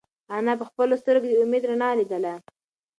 انا په خپلو سترگو کې د امید رڼا لیدله.